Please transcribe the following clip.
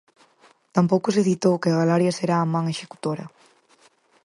Tampouco se citou que Galaria será a man executora.